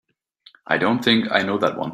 I don't think I know that one.